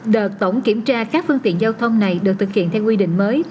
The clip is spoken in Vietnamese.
đợt tổng kiểm tra các phương tiện giao thông này được thực hiện theo quy định mới